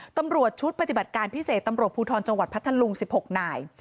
ตำรวจชุดปฏิบัติการพิเศษตำรวจภูทรจังหวัดพัทธลุง๑๖นาย